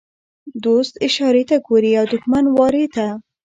دوست اشارې ته ګوري او دښمن وارې ته.